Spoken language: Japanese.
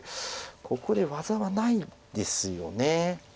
ここで技はないですよね。